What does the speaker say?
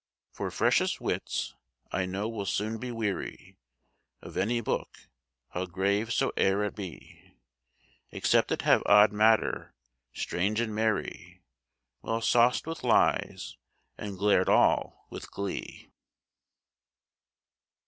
For freshest wits I know will soon be wearie Of any book, how grave so e'er it be, Except it have odd matter, strange and merrie, Well sauc'd with lies and glared all with glee.